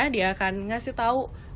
dia akan ngasih tau